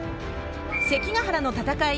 関ケ原の戦い